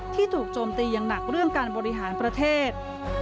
ถูกโจมตีอย่างหนักเรื่องการบริหารประเทศ